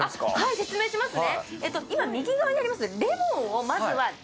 説明しますね。